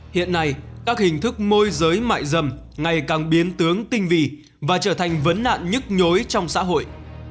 hiện nay các hình thức môi giới mại dâm ngày càng biến tướng tinh vi và trở thành vấn nạn nhức nhối trong xã hội